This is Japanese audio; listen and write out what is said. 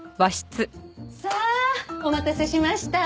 さあお待たせしました。